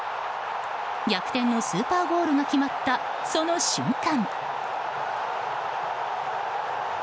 逆転のスーパーゴールが決まったその瞬間。